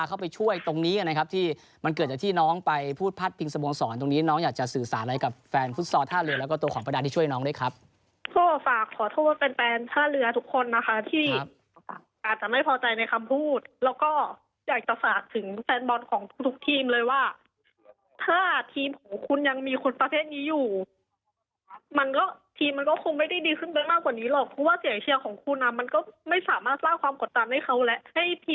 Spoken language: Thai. เข้าไปช่วยตรงนี้กันนะครับที่มันเกิดจากที่น้องไปพูดพัดพิงสะบวงสอนตรงนี้น้องอยากจะสื่อสารอะไรกับแฟนฟุตซอร์ท่าเรือแล้วก็ตัวของพระดามที่ช่วยน้องด้วยครับโทษฝากขอโทษว่าแปลนแปลนท่าเรือทุกคนนะคะที่ครับอาจจะไม่พอใจในคำพูดแล้วก็อยากจะฝากถึงแฟนบอลของทุกทุกทีมเลยว่าถ้าที